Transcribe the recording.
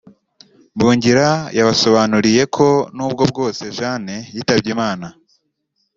Mbungira yabasobanuriye ko nubwo bwose Jeanne yitabye Imana